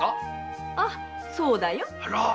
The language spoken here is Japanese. ああそうだよ。